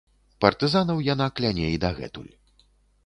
Партызанаў яна кляне і дагэтуль.